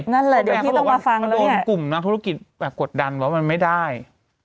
นั้นเลยเดี๋ยวพี่ต้องมาฟังเลยเนี่ยเขาบอกว่ามาโดนกลุ่มนักธุรกิจแบบกดดันวะมันไม่ได้